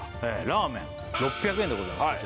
らーめん６００円でございます